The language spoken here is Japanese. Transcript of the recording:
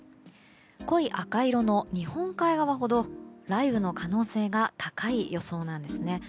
濃い赤色の日本海側ほど雷雨の可能性が高い予想なんです。